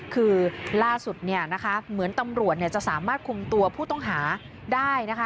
คือล่าสุดเหมือนตำรวจจะสามารถคุมตัวผู้ต้องหาได้นะคะ